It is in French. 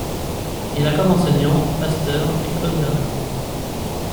Il a comme enseignants Pasteur et Claude Bernard.